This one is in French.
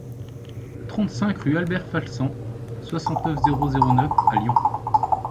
trente-cinq rue Albert Falsan, soixante-neuf, zéro zéro neuf à Lyon